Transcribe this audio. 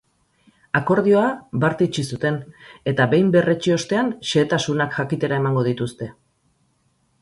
Akordioa bart itxi zuten eta behin berretsi ostean xehetasunak jakitera emango dituzte.